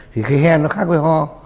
thì cái hen nó khác với ho